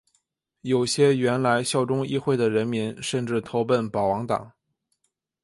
有些原来效忠议会的人民甚至投奔保王党。